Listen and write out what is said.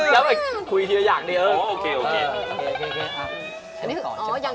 เดี๋ยวมีใครเรียกอีกก่อน